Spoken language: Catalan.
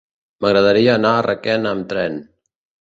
M'agradaria anar a Requena amb tren.